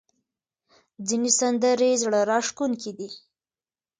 ځینې سندرې زړه راښکونکې دي.